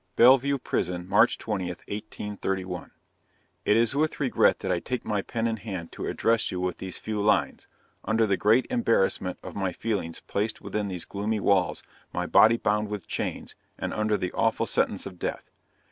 "BELLEVUE PRISON, March 20, 1831. "It is with regret that I take my pen in hand to address you with these few lines, under the great embarrassment of my feelings placed within these gloomy walls, my body bound with chains, and under the awful sentence of death!